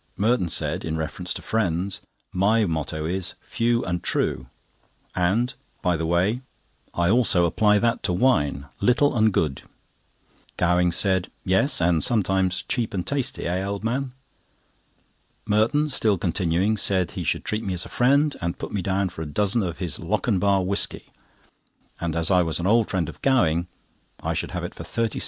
Merton said in reference to friends: "My motto is 'Few and True;' and, by the way, I also apply that to wine, 'Little and Good.'" Gowing said: "Yes, and sometimes 'cheap and tasty,' eh, old man?" Merton, still continuing, said he should treat me as a friend, and put me down for a dozen of his "Lockanbar" whisky, and as I was an old friend of Gowing, I should have it for 36s.